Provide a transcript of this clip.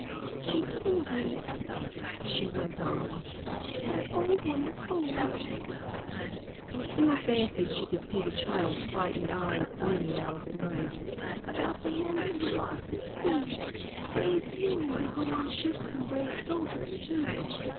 "She told me," she went on, "that old woman told me," Lucile fancied she could see the child's frightened eyes gleaming out of the night, "about the men who were lost at sea; brave seamen who go on ships and brave soldiers too.